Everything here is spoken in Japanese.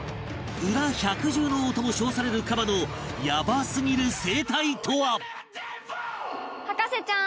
ウラ百獣の王とも称されるカバのヤバすぎる生態とは？